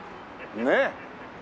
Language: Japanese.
ねえ。